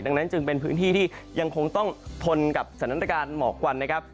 ดังนั้นจึงเป็นพื้นที่ที่ยังคงต้องทนกับสถานการณ์หมอกควันนะครับ